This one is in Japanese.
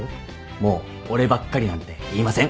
もう俺ばっかりなんて言いません